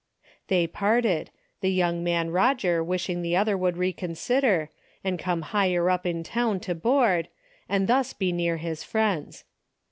They parted, the young man Eoger wishing the other would reconsider, and come higher up in town to board, and thus be near his friends.